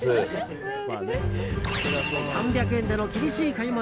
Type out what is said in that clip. ３００円での厳しい買い物。